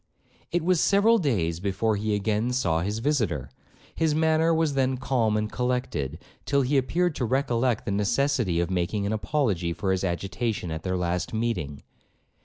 It was several days before he again saw his visitor; his manner was then calm and collected, till he appeared to recollect the necessity of making an apology for his agitation at their last meeting.